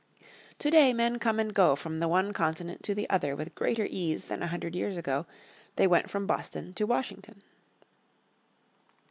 Today men come and go from the one continent to the other with greater ease than a hundred years ago they went from Boston to Washington.